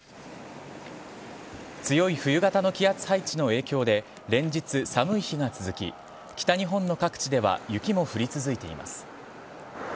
強い冬型の気圧配置の影響で連日、寒い日が続き北日本の各地では雪も降り続いています。